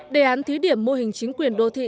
đề án thí điểm mô hình chính quyền đô thị